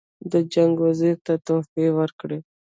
د جنګ وزیر ته تحفې ورکړي.